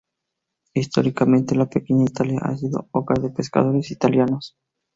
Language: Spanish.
Históricamente, la Pequeña Italia ha sido hogar de pescadores italianos.